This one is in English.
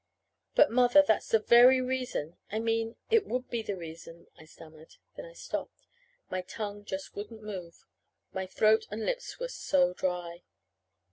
"But, Mother, that's the very reason I mean, it would be the reason," I stammered. Then I stopped. My tongue just wouldn't move, my throat and lips were so dry.